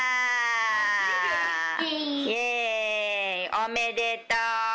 おめでとう。